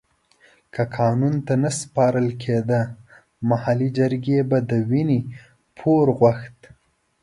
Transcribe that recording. که قانون ته نه سپارل کېده محلي جرګې به د وينې پور غوښت.